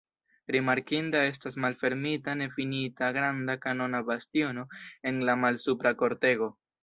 Rimarkinda estas malfermita nefinita granda kanona bastiono en la malsupra kortego.